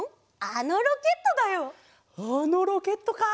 あのロケットか。